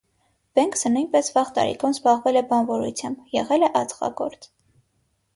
Բենքսը նույնպես վաղ տարիքում զբաղվել է բանվորությամբ, եղել է ածխագործ։